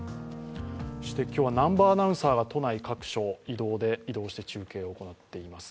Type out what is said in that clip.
今日は南波アナウンサーが都内各所で移動して中継を行っています。